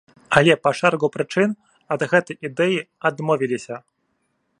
Але па шэрагу прычын ад гэтай ідэі адмовіліся.